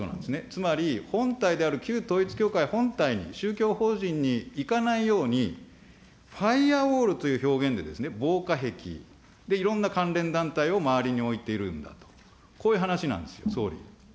つまり、本体である旧統一教会本体に、宗教法人にいかないように、ファイヤーウォールという表現でですね、防火壁、いろんな関連団体を周りに置いているんだと、こういう話なんですよ、総理。